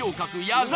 矢沢